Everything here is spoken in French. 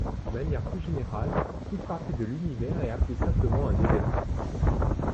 De manière plus générale, toute partie de l'univers est appelée simplement un événement.